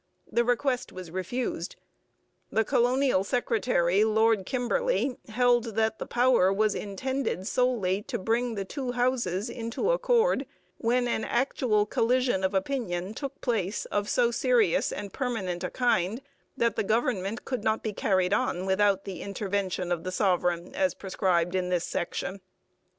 The request was refused. The colonial secretary, Lord Kimberley, held that the power was intended solely to bring the two Houses into accord when an actual collision of opinion took place of so serious and permanent a kind that the government could not be carried on without the intervention of the sovereign as prescribed in this section.